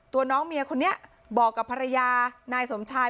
ตัวน้องเมียคนนี้บอกกับภรรยานายสมชาย